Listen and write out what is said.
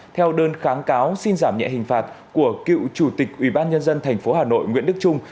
theo đơn kháng cáo xin giảm nhẹ hình phạt của cựu chủ tịch ubnd tp hà nội nguyễn đức trung